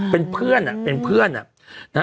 เป็นเพื่อนอะ